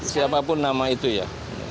siapapun nama itu ya